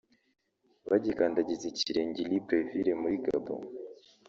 Bagikandagiza ikirenge i Libreville muri Gabon